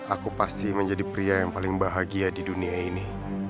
aku pasti menjadi pria yang paling bahagia di dunia ini